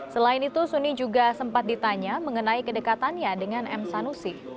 selain itu suni juga sempat ditanya mengenai kedekatannya dengan m sanusi